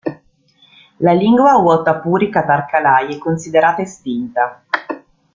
La lingua wotapuri-katarqalai è considerata estinta.